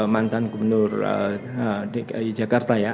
mantan gubernur dki jakarta ya